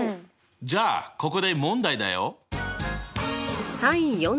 じゃあここで問題だよ。